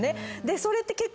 それって結構。